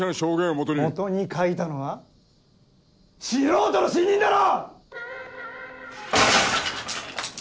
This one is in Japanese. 基に描いたのは素人の新任だろ‼